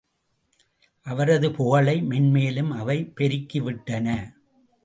அவரது புகழை மென்மேலும் அவை பெருக்கிவிட்டன.